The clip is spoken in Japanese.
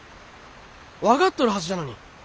分かっとるはずじゃのに。